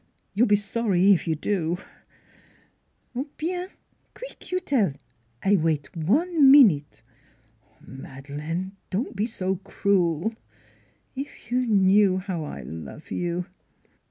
" You'll be sorry if you do." " Bienf Qweek you tell; I wait one minute." " Madeleine don't be so cruel. If you knew how I love you!